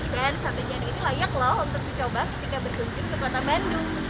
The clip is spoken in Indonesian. dan sate jando ini layak lho untuk dicoba ketika berkunjung ke kota bandung